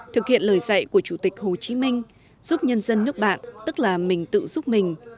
thực hiện lời dạy của chủ tịch hồ chí minh giúp nhân dân nước bạn tức là mình tự giúp mình